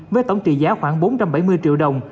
với tổng trị giá khoảng bốn trăm bảy mươi triệu đồng